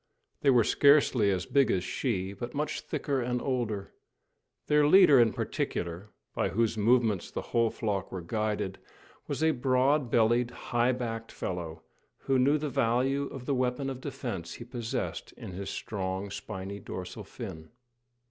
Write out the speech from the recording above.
They were scarcely as big as she, but much thicker and older. Their leader in particular, by whose movements the whole flock were guided, was a broad bellied high backed fellow, who knew the value of the weapon of defence he possessed in his strong, spiny dorsal fin.